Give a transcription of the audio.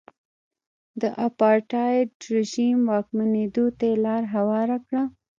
د اپارټاید رژیم واکمنېدو ته یې لار هواره کړه.